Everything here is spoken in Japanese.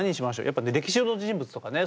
やっぱ歴史上の人物とかね